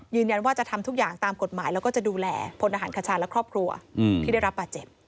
ยืนยันว่าจะทำทุกอย่างตามกฎหมายแล้วก็จะดูแลพลอาหารคชาและครอบครัวที่ได้รับบาดเจ็บ